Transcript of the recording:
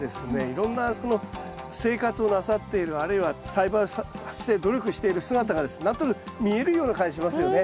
いろんなその生活をなさっているあるいは栽培をして努力している姿がですね何となく見えるような感じしますよね。